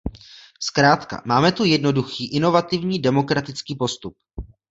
Zkrátka, máme tu jednoduchý, inovativní, demokratický postup.